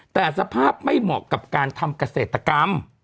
แต่สภาพไม่เหมาะกับการทำเกษตรกรรม